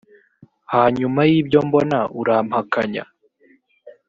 hanyuma y ibyo mbona urampakanya